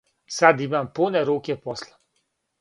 Сад имам пуне руке посла.